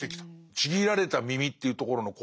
ちぎられた耳というところの怖さ。